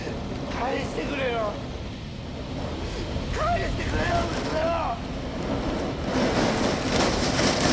返してくれよ返してくれよ娘を！